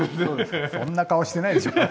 そんな顔してないでしょ。